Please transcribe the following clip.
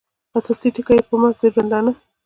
اساسي ټکي یې پر مرګ د ژوندانه